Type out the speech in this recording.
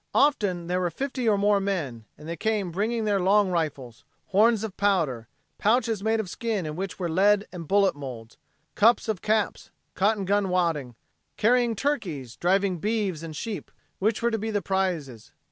Often there were fifty or more men, and they came bringing their long rifles, horns of powder, pouches made of skin in which were lead and bullet molds, cups of caps, cotton gun wadding, carrying turkeys, driving beeves and sheep, which were to be the prizes.